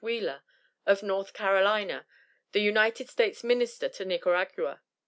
Wheeler, of North Carolina, the United States Minister to Nicaragua.